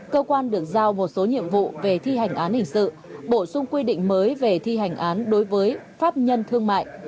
cơ quan được giao một số nhiệm vụ về thi hành án hình sự bổ sung quy định mới về thi hành án đối với pháp nhân thương mại